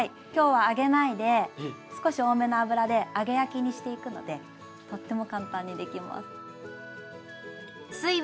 今日は揚げないで少し多めの油で揚げ焼きにしていくのでとっても簡単にできます。